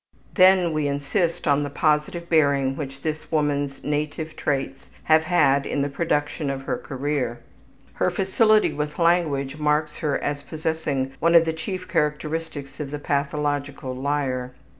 Then we insist on the positive bearing which this woman's native traits have had in the production of her career. Her facility with language marks her as possessing one of the chief characteristics of the pathological liar.